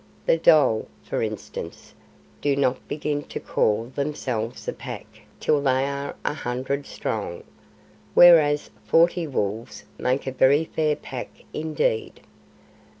The dhole, for instance, do not begin to call themselves a pack till they are a hundred strong; whereas forty wolves make a very fair pack indeed.